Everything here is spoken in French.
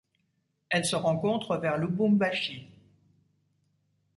Elle se rencontre vers Lubumbashi.